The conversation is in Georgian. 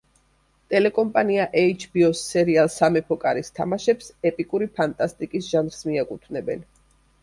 ტელეკომპანია „ეიჩ-ბი-ოს“ სერიალ „სამეფო კარის თამაშებს“ ეპიკური ფანტასტიკის ჟანრს მიაკუთვნებენ.